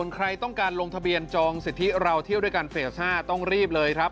ใครต้องการลงทะเบียนจองสิทธิเราเที่ยวด้วยกันเฟส๕ต้องรีบเลยครับ